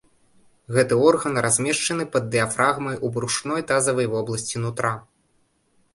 Гэты орган размешчаны пад дыяфрагмай у брушной тазавай вобласці нутра.